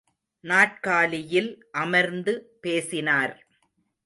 நாற்காலியில் அமர்ந்து பேசினார்.